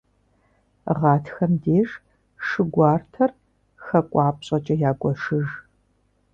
Гъатхэм деж шы гуартэр хакӏуапщӏэкӏэ ягуэшыж.